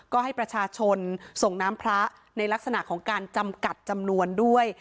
ก็ให้ประชาชนส่งน้ำพระในลักษณะของการจำกัดจำนวนด้วย